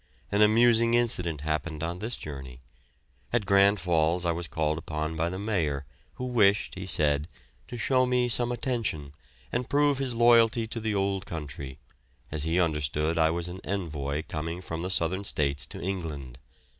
An amusing incident happened on this journey. At Grand Falls I was called upon by the Mayor, who wished, he said, to show me some attention and prove his loyalty to the old country, as he understood I was an envoy going from the Southern States to England.